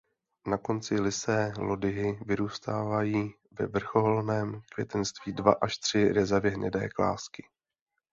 Na konci lysé lodyhy vyrůstají ve vrcholovém květenství dva až tři rezavě hnědé klásky.